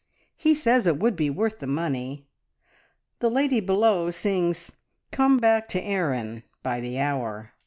He says it would be worth the money. ... The lady below sings `Come back to Erin' by the hour.